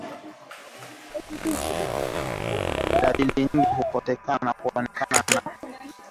Dalili nyingine ya ukurutu ni magamba kujitokeza kwenye ngozi baada ya ngozi kupona